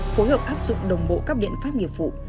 phối hợp áp dụng đồng bộ các biện pháp nghiệp vụ